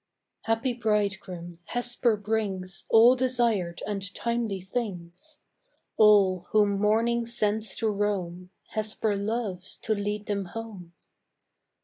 Happy bridegroom, Hesper brings All desired and timely things. All whom morning sends to roam, Hesper loves to lead them home.